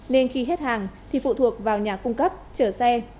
nên khi hết hàng thì phụ thuộc vào nhà cung cấp chở xe